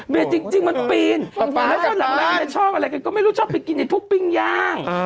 เมียจริงจริงมันปีนชอบอะไรกันก็ไม่รู้ชอบไปกินในพุกปิ้งยาง